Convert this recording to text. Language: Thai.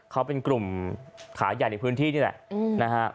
เขาเป็นกลุ่มขาหยั่นอยู่พื้นที่นี่แหละ